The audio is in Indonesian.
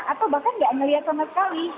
atau bahkan nggak melihat sama sekali